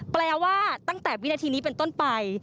แปลว่าตั้งแต่วินาทีนี้เป็นต้นไป